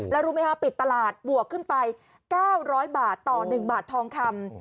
แล้วรู้ไหมคะปิดตลาดบวกขึ้นไป๙๐๐บาทต่อ๑บาททองคำ